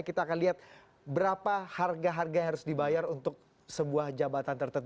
kita akan lihat berapa harga harga yang harus dibayar untuk sebuah jabatan tertentu